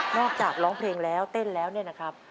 จากร้องเพลงแล้วเต้นแล้วเนี่ยนะครับ